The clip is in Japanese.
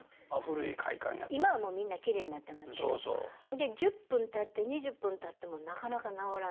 で１０分たって２０分たってもなかなか直らない。